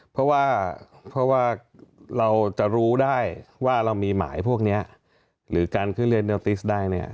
เพราะว่าเพราะว่าเราจะรู้ได้ว่าเรามีหมายพวกเนี้ยหรือการขึ้นเรียนได้เนี่ย